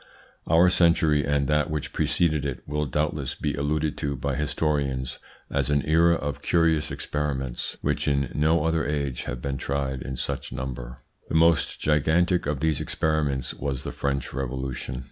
Our century and that which preceded it will doubtless be alluded to by historians as an era of curious experiments, which in no other age have been tried in such number. The most gigantic of these experiments was the French Revolution.